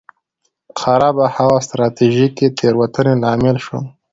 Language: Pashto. خرابه هوا او ستراتیژیکې تېروتنې لامل شول.